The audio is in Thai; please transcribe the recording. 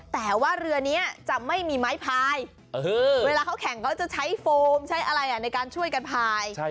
แต่ว่าเรือนี้จะไม่มีไม้พายเวลาเขาแข่งเขาจะใช้โฟมใช้อะไรในการช่วยกันพาย